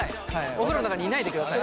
お風呂の中にいないでください。